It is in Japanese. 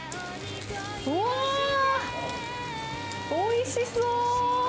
おー、おいしそう。